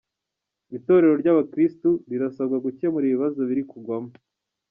Itorero rya Bakirisitu rirasabwa gukemura ibibazo birikugwamo